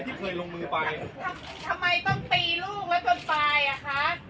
ทำไมต้องตีลูกไว้จนตายอ่ะคะ